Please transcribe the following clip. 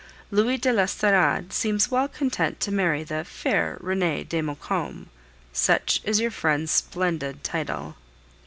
Louis de l'Estorade seems well content to marry the fair Renee de Maucombe such is your friend's splendid title.